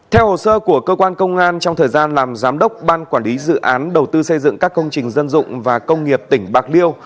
theo hồ sơ của cơ quan công an trong thời gian làm giám đốc ban quản lý dự án đầu tư xây dựng các công trình dân dụng và công nghiệp tỉnh bạc liêu